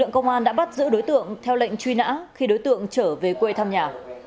trong quá trình điều tra vụ lực lượng công an đã bắt giữ đối tượng theo lệnh truy nã khi đối tượng trở về quê thăm nhà